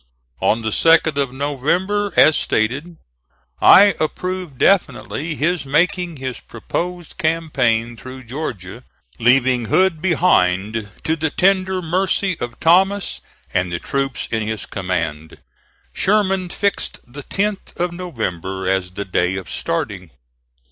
On the 2d of November, as stated, I approved definitely his making his proposed campaign through Georgia, leaving Hood behind to the tender mercy of Thomas and the troops in his command. Sherman fixed the 10th of November as the day of starting.